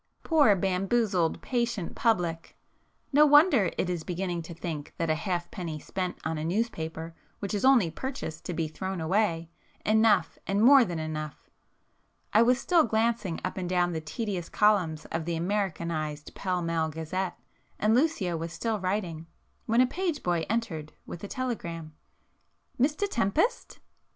Poor, bamboozled, patient public!—no wonder it is beginning to think that a halfpenny spent on a newspaper which is only purchased to be thrown away, enough and more than enough. I was still glancing up and down the tedious columns of the Americanized Pall Mall Gazette, and Lucio was still writing, when a page boy entered with a telegram. "Mr Tempest?"